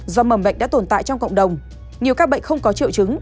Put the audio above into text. do mầm bệnh đã tồn tại trong cộng đồng nhiều các bệnh không có triệu chứng